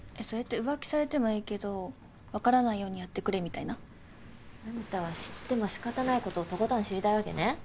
それって浮気されてもいいけど分からないようにやってくれみたいな？あんたは知っても仕方ないことをとことん知りたいわけね。